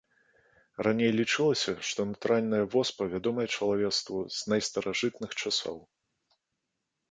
Раней лічылася, што натуральная воспа вядомая чалавецтву з найстаражытных часоў.